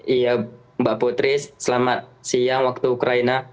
iya mbak putri selamat siang waktu ukraina